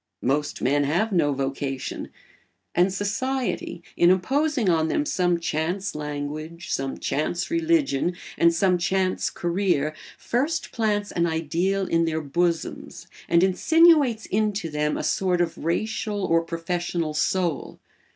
Most men have no vocation; and society, in imposing on them some chance language, some chance religion, and some chance career, first plants an ideal in their bosoms and insinuates into them a sort of racial or professional soul.